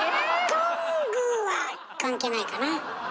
トングは関係ないかな。